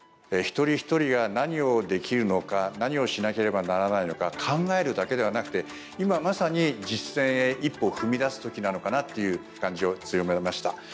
一人一人が何をできるのか何をしなければならないのか考えるだけではなくて今まさに実践へ一歩を踏み出す時なのかなという感じを強めました。